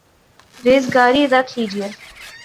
ریزگاری رکھ لیجئے